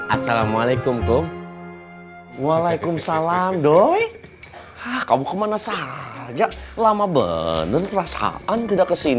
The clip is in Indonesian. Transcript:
assalamualaikum toh waalaikumsalam doi kamu kemana saja lama bener perasaan tidak kesininya